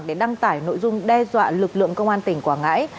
để đăng tải nội dung đe dọa lực lượng công an tỉnh quảng ngãi